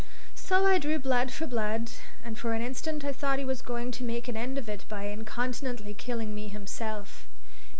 So I drew blood for blood; and for an instant I thought he was going to make an end of it by incontinently killing me himself.